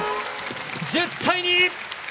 １０対２。